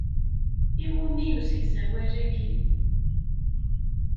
I wumi usegzawal-agi?